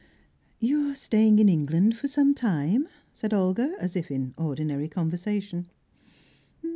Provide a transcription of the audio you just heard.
"You are staying in England for some time?" said Olga, as if in ordinary conversation.